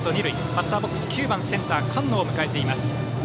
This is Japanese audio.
バッターボックスは９番センターの菅野を迎えています。